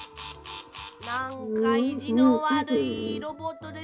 なんかいじのわるいロボットです。